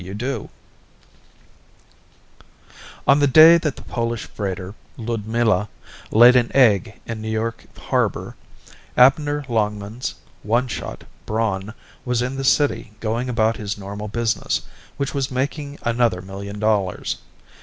_ BY JAMES BLISH Illustrated by van Dongen On the day that the Polish freighter Ludmilla laid an egg in New York harbor, Abner Longmans ("One Shot") Braun was in the city going about his normal business, which was making another million dollars.